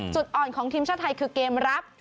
จุดอ่อนของทีมชาติไทยคือเกมรับ